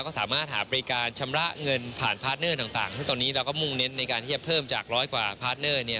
ก็สามารถหาบริการชำระเงินผ่านพาร์ทเนอร์ต่างซึ่งตอนนี้เราก็มุ่งเน้นในการที่จะเพิ่มจากร้อยกว่าพาร์ทเนอร์